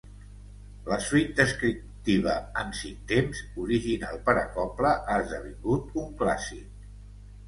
La suite descriptiva en cinc temps, original per a cobla, ha esdevingut un clàssic.